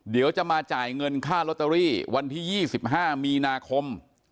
เดี๋ยวจะมาจ่ายเงินค่าลอตเตอรี่วันที่๒๕มีนาคม